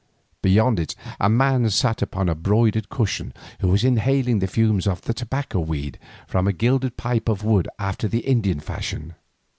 Beyond it a man sat upon a broidered cushion, who was inhaling the fumes of the tobacco weed from a gilded pipe of wood after the Indian fashion.